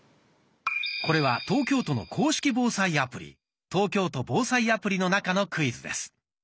これは東京都の公式防災アプリ「東京都防災アプリ」の中のクイズです。